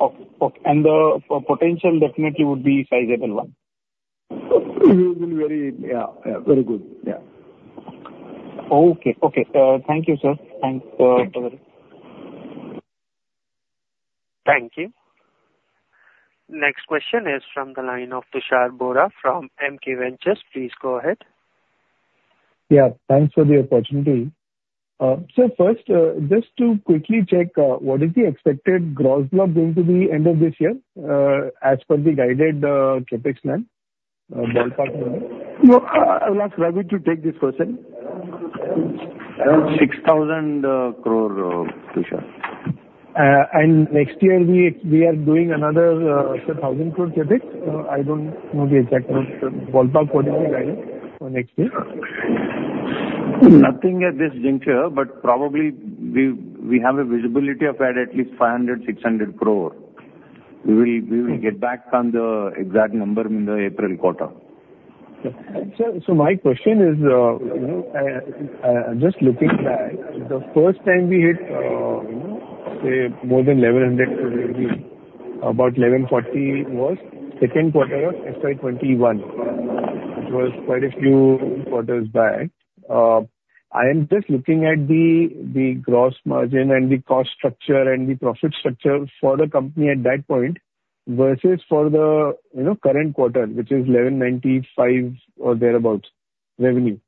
Okay. Okay, and the potential definitely would be a sizable one? It will be very... Yeah, yeah, very good. Yeah. Okay. Okay, thank you, sir. Thanks for everything. Thank you. ...Next question is from the line of Tushar Bohra from Emkay Global Financial Services Ltd. Please go ahead. Yeah, thanks for the opportunity. So first, just to quickly check, what is the expected gross block going to be end of this year, as per the guided CapEx plan, ballpark? No, I will ask Ravi to take this question. Around 6,000 crore, Tushar. Next year we are doing another, say, 1,000 crore Capex? I don't know the exact number, ballpark what is the guidance for next year? Nothing at this juncture, but probably we have a visibility of at least 500-600 crore. We will get back on the exact number in the April quarter. Sir, so my question is, you know, just looking back, the first time we hit, you know, say more than 1,100 crore, about 1,140 crore was second quarter of FY 2021. It was quite a few quarters back. I am just looking at the, the gross margin and the cost structure and the profit structure for the company at that point, versus for the, you know, current quarter, which is 1,195 or thereabout revenue.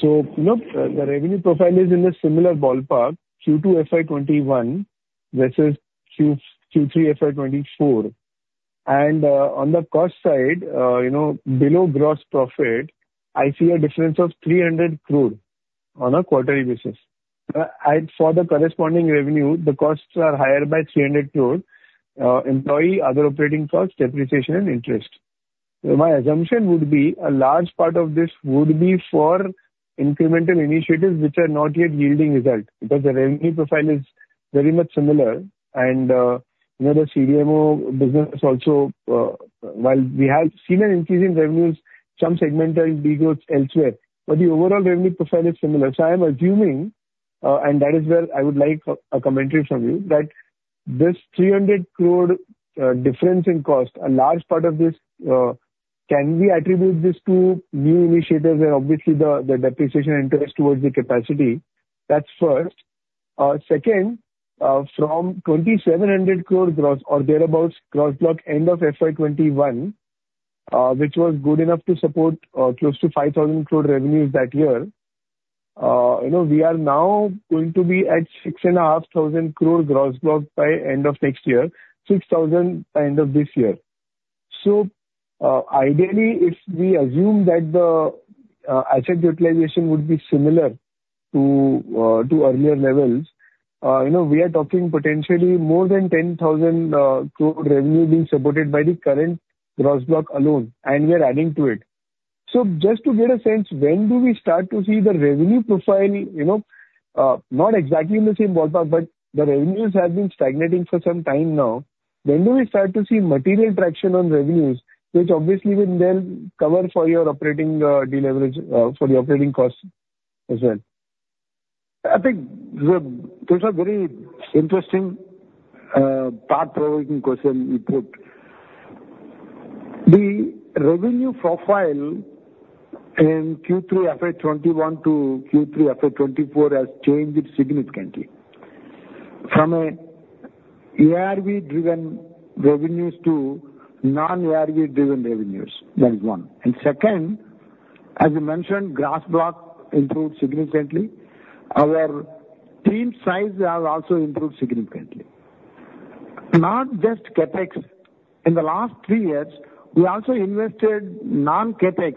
So, you know, the revenue profile is in a similar ballpark, Q2 FY 2021 versus Q3 FY 2024. And, on the cost side, you know, below gross profit, I see a difference of 300 crore on a quarterly basis. I, for the corresponding revenue, the costs are higher by 300 crore, employee, other operating costs, depreciation and interest. So my assumption would be a large part of this would be for incremental initiatives which are not yet yielding results, because the revenue profile is very much similar. And, you know, the CDMO business also, while we have seen an increase in revenues, some segment are degrowth elsewhere, but the overall revenue profile is similar. So I am assuming, and that is where I would like a, a commentary from you, that this 300 crore, difference in cost, a large part of this, can we attribute this to new initiatives and obviously the, the depreciation interest towards the capacity? That's first. Second, from 2,700 crore gross or thereabout gross block end of FY 2021, which was good enough to support, close to 5,000 crore revenues that year. You know, we are now going to be at 6,500 crore gross block by end of next year, 6,000 crore by end of this year. So, ideally, if we assume that the asset utilization would be similar to earlier levels, you know, we are talking potentially more than 10,000 crore revenue being supported by the current gross block alone, and we are adding to it. So just to get a sense, when do we start to see the revenue profile, you know, not exactly in the same ballpark, but the revenues have been stagnating for some time now. When do we start to see material traction on revenues, which obviously will then cover for your operating deleverage for the operating costs as well? I think the, those are very interesting, thought-provoking question you put. The revenue profile in Q3 FY 2021 to Q3 FY 2024 has changed significantly. From a ARV-driven revenues to non-ARV-driven revenues, that is one. And second, as you mentioned, gross block improved significantly. Our team size has also improved significantly. Not just CapEx, in the last three years, we also invested non-CapEx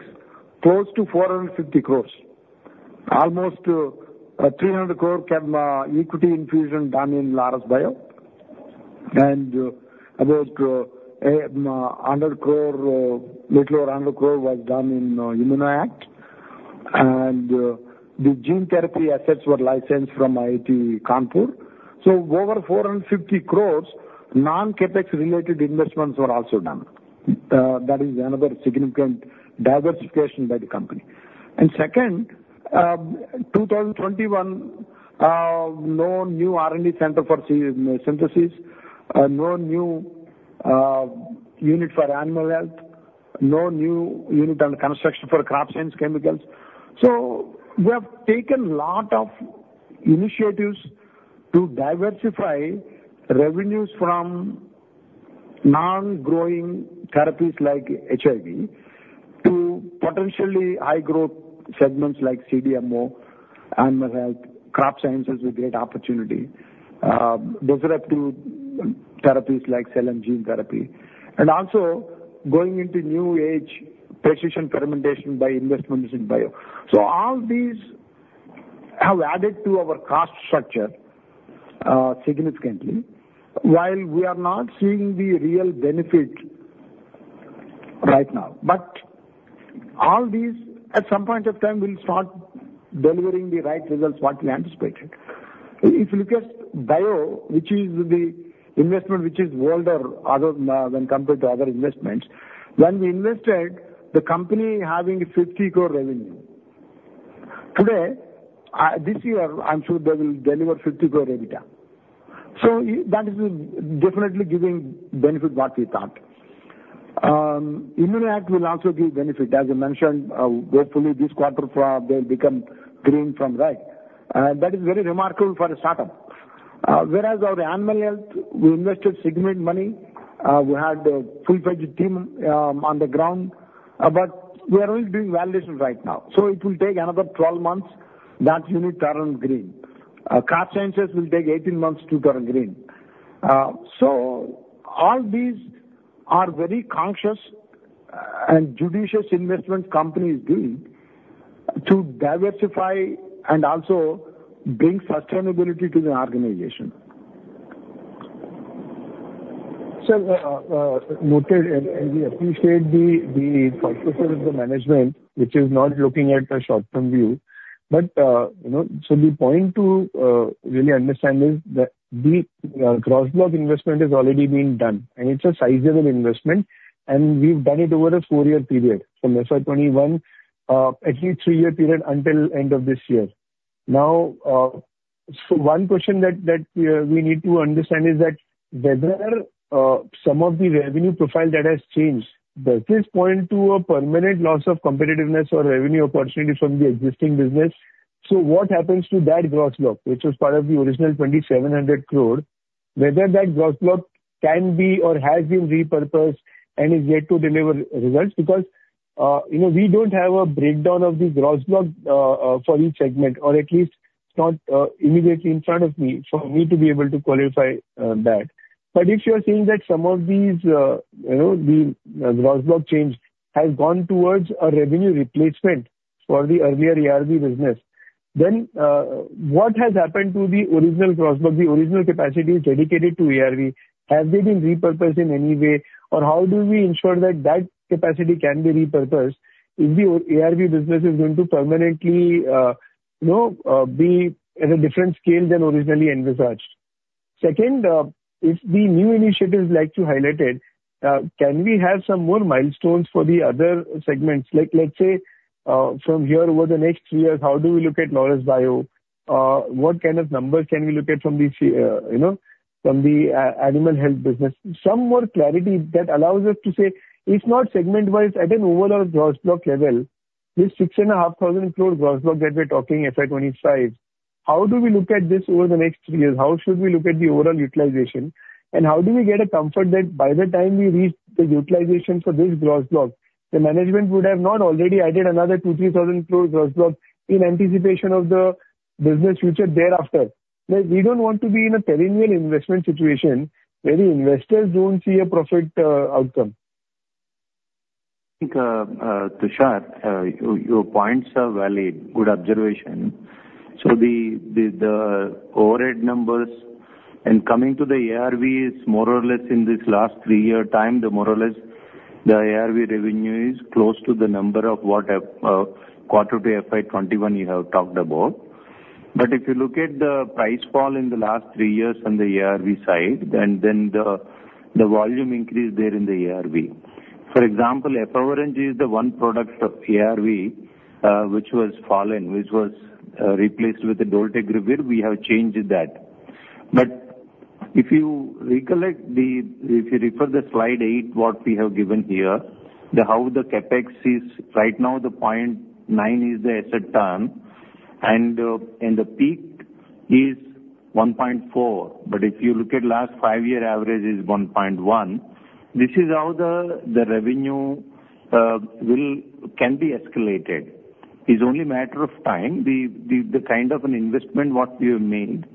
close to 450 crore, almost, 300 crore came, equity infusion done in Laurus Bio, and about, a little over 100 crore was done in ImmunoACT. And, the gene therapy assets were licensed from IIT Kanpur. So over 450 crore, non-CapEx related investments were also done. That is another significant diversification by the company. And second, 2021, no new R&D center for synthesis, no new unit for animal health, no new unit under construction for crop science chemicals. So we have taken a lot of initiatives to diversify revenues from non-growing therapies like HIV to potentially high growth segments like CDMO, animal health, crop sciences is a great opportunity, disruptive therapies like cell and gene therapy, and also going into new age precision fermentation by investments in bio. So all these have added to our cost structure, significantly, while we are not seeing the real benefit right now. But all these, at some point of time, will start delivering the right results what we anticipated. If you look at bio, which is the investment which is older, other, when compared to other investments, when we invested, the company having 50 crore revenue. Today, this year, I'm sure they will deliver 50 crore EBITDA. So that is definitely giving benefit what we thought.... ImmunoACT will also give benefit, as I mentioned, hopefully this quarter from, they'll become green from red, that is very remarkable for a startup. Whereas our animal health, we invested significant money, we had a full-fledged team, on the ground, but we are only doing validation right now. So it will take another 12 months that unit turn green. Crop sciences will take 18 months to turn green. So all these are very conscious and judicious investment company is doing to diversify and also bring sustainability to the organization. Sir, noted, and we appreciate the focus of the management, which is not looking at a short-term view. But, you know, so the point to really understand is that the gross block investment is already being done, and it's a sizable investment, and we've done it over a 4-year period, from FY 2021, at least 3-year period until end of this year. Now, so one question that we need to understand is that whether some of the revenue profile that has changed, does this point to a permanent loss of competitiveness or revenue opportunity from the existing business? So what happens to that gross block, which was part of the original 2,700 crore, whether that gross block can be or has been repurposed and is yet to deliver results? Because, you know, we don't have a breakdown of this gross block for each segment, or at least it's not immediately in front of me for me to be able to qualify that. But if you are saying that some of these, you know, the gross block change has gone towards a revenue replacement for the earlier ARV business, then what has happened to the original gross block, the original capacity dedicated to ARV, have they been repurposed in any way? Or how do we ensure that that capacity can be repurposed if the ARV business is going to permanently, you know, be at a different scale than originally envisaged? Second, if the new initiatives like you highlighted, can we have some more milestones for the other segments? Like, let's say, from here over the next three years, how do we look at Laurus Bio? What kind of numbers can we look at from the, you know, animal health business? Some more clarity that allows us to say, if not segment-wise, at an overall gross block level, this 6,500 crore gross block that we're talking FY 2025, how do we look at this over the next three years? How should we look at the overall utilization? And how do we get a comfort that by the time we reach the utilization for this gross block, the management would have not already added another 2,000-3,000 crore gross block in anticipation of the business future thereafter. Like, we don't want to be in a perennial investment situation where the investors don't see a profit outcome. I think, Tushar, your points are valid. Good observation. So the overhead numbers and coming to the ARVs, more or less in this last three-year time, the more or less the ARV revenue is close to the number of what quarter to FY 2021 you have talked about. But if you look at the price fall in the last three years on the ARV side, then the volume increase there in the ARV. For example, Efavirenz is the one product of ARV, which was fallen, which was replaced with the Dolutegravir. We have changed that. But if you recollect the... If you refer the slide 8, what we have given here, the how the CapEx is right now, 0.9 is the asset turn, and the peak is 1.4, but if you look at last five-year average is 1.1. This is how the revenue will, can be escalated. It's only a matter of time. The kind of an investment what we have made.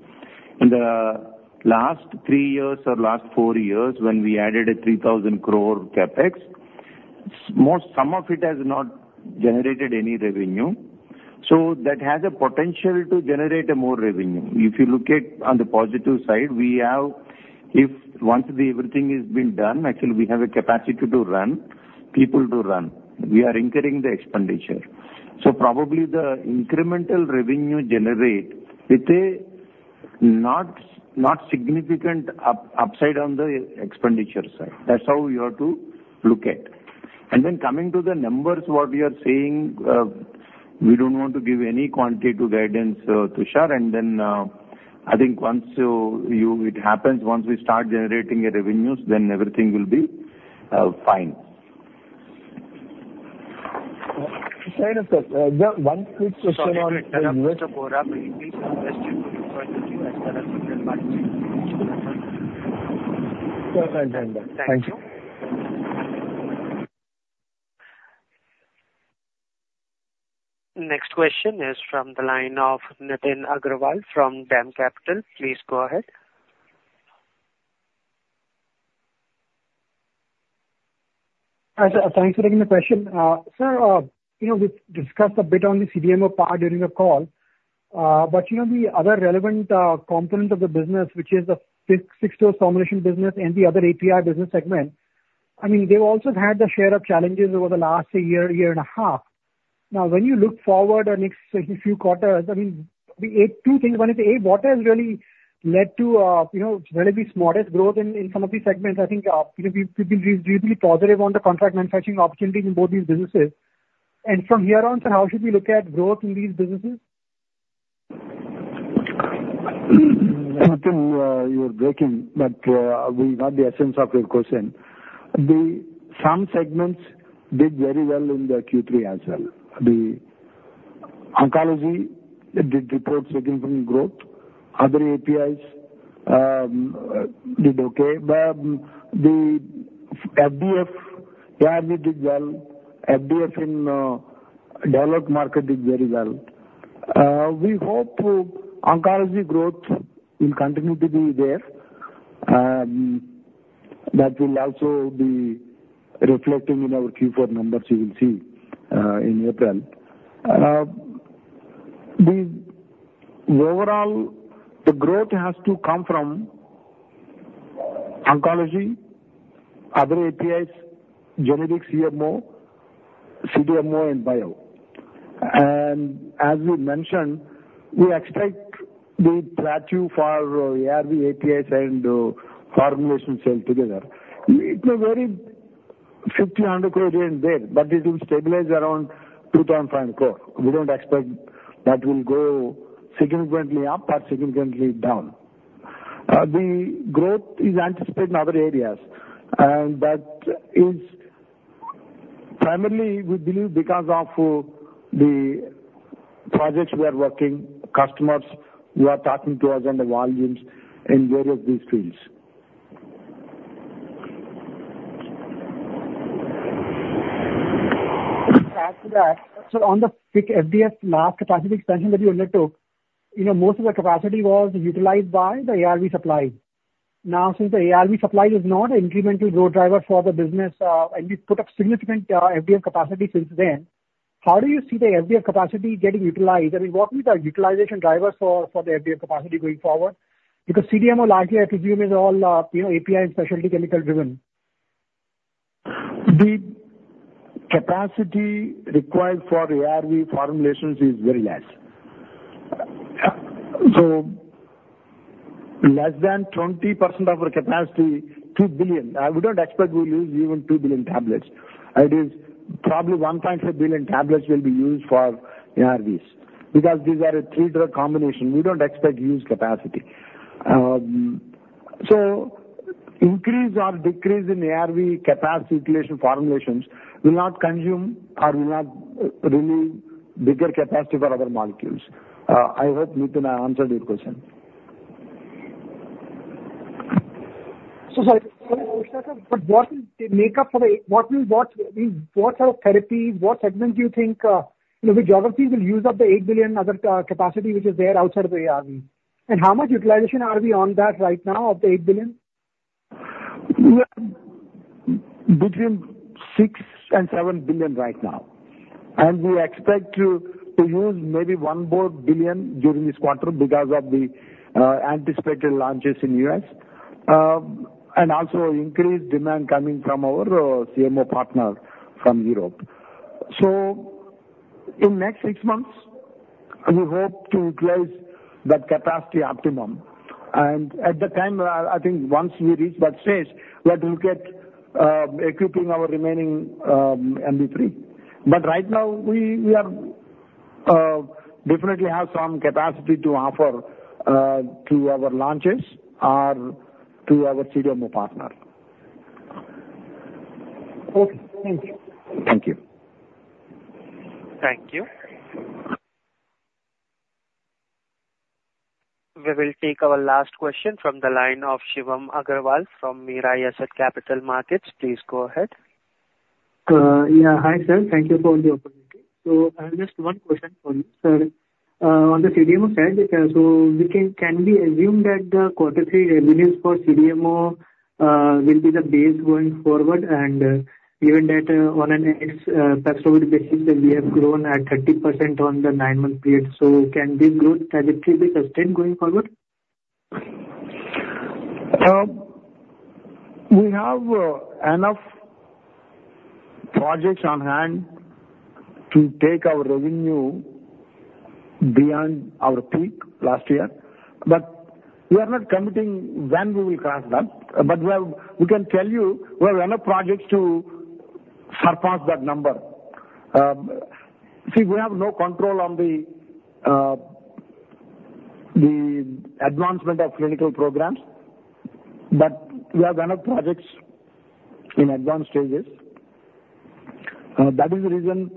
In the last three years or last four years, when we added 3,000 crore CapEx, some of it has not generated any revenue, so that has a potential to generate a more revenue. If you look at on the positive side, we have, if once the everything has been done, actually, we have a capacity to run, people to run. We are incurring the expenditure. So probably the incremental revenue generate with not significant upside on the expenditure side. That's how you have to look at. And then coming to the numbers, what we are saying, we don't want to give any quantitative guidance, Tushar, and then, I think once you, it happens, once we start generating revenues, then everything will be fine. Sir, one quick question on- Sorry to interrupt, Bohra, but please, next question from the line of Indranil Banerji. Yeah, thanks, Indranil. Thank you. Thank you. Next question is from the line of Nitin Agarwal from DAM Capital. Please go ahead. Thanks for taking the question. Sir, you know, we've discussed a bit on the CDMO part during the call, but, you know, the other relevant component of the business, which is the fixed dose formulation business and the other API business segment, I mean, they've also had their share of challenges over the last year and a half. Now, when you look forward the next few quarters, I mean, wait, two things. One is, a, what has really led to, you know, relatively modest growth in some of these segments? I think, you know, we've been reasonably positive on the contract manufacturing opportunities in both these businesses. From here on, sir, how should we look at growth in these businesses?... You were breaking, but, we got the essence of your question. The some segments did very well in the Q3 as well. The oncology did report significant growth. Other APIs did okay. But the FDF, ARV did well. FDF in developed market did very well. We hope oncology growth will continue to be there, that will also be reflecting in our Q4 numbers you will see in April. The overall, the growth has to come from oncology, other APIs, generics CMO, CDMO, and bio. And as we mentioned, we expect the plateau for ARV, APIs and formulations sale together. It may vary 50-100 million there, but it will stabilize around 2,005 crore. We don't expect that will go significantly up or significantly down. The growth is anticipated in other areas, and that is primarily, we believe, because of the projects we are working, customers who are talking to us on the volumes in various these fields. Add to that, so on the FDF last capacity expansion that you undertook, you know, most of the capacity was utilized by the ARV supply. Now, since the ARV supply is not an incremental growth driver for the business, and you put up significant FDF capacity since then, how do you see the FDF capacity getting utilized? I mean, what is the utilization driver for the FDF capacity going forward? Because CDMO largely, I presume, is all, you know, API and specialty chemical driven. The capacity required for ARV formulations is very less. So less than 20% of our capacity, 2 billion. I would not expect we'll use even 2 billion tablets. It is probably 1.5 billion tablets will be used for ARVs, because these are a three-drug combination. We don't expect huge capacity. So increase or decrease in ARV capacity utilization formulations will not consume or will not relieve bigger capacity for other molecules. I hope, Nitin, I answered your question. So sorry, sir, but what will make up for the—what will, what, I mean, what are therapies, what segments do you think, you know, geographies will use up the 8 billion other capacity which is there outside of the ARV? And how much utilization are we on that right now of the 8 billion? We are between 6 billion and 7 billion right now, and we expect to use maybe 1 billion more during this quarter because of the anticipated launches in U.S. And also increased demand coming from our CMO partner from Europe. So in next 6 months, we hope to utilize that capacity optimum, and at the time, I think once we reach that stage, we will get equipping our remaining MB3. But right now, we are definitely have some capacity to offer to our launches or to our CDMO partner. Okay. Thank you. Thank you. Thank you. We will take our last question from the line of Shivam Agarwal from Mirae Asset Capital Markets. Please go ahead. Yeah. Hi, sir. Thank you for the opportunity. So I have just one question for you, sir. On the CDMO side, so we can, can we assume that the quarter three revenues for CDMO will be the base going forward, and given that, on an ex, tax basis, that we have grown at 30% on the nine-month period, so can this growth trajectory be sustained going forward? We have enough projects on hand to take our revenue beyond our peak last year, but we are not committing when we will cross that. But we have, we can tell you, we have enough projects to surpass that number. See, we have no control on the advancement of clinical programs, but we have enough projects in advanced stages. That is the reason,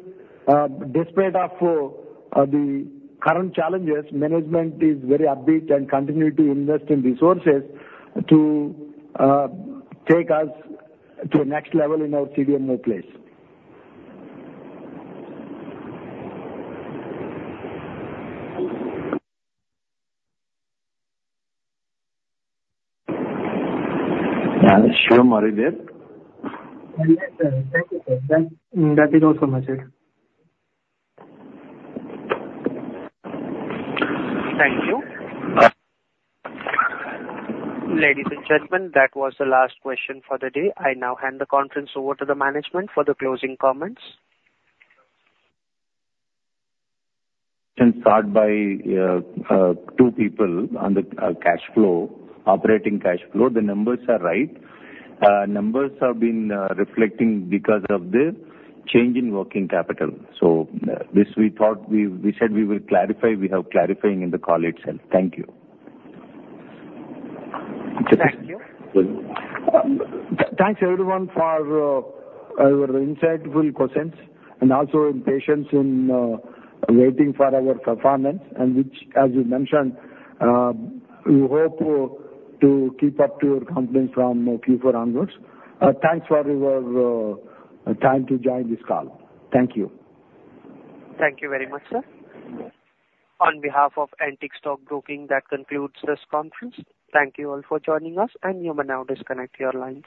despite of the current challenges, management is very upbeat and continue to invest in resources to take us to a next level in our CDMO place. Thank you. Thank you. Ladies and gentlemen, that was the last question for the day. I now hand the conference over to the management for the closing comments. Start by two people on the cash flow, operating cash flow. The numbers are right. Numbers have been reflecting because of the change in working capital. So this we thought, we said we will clarify. We have clarifying in the call itself. Thank you. Thank you. Thanks everyone for your insightful questions and also your patience in waiting for our performance and which, as you mentioned, we hope to keep up to your confidence from Q4 onwards. Thanks for your time to join this call. Thank you. Thank you very much, sir. On behalf of Antique Stock Broking, that concludes this conference. Thank you all for joining us, and you may now disconnect your lines.